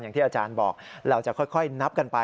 อย่างที่อาจารย์บอกเราจะค่อยนับกันไป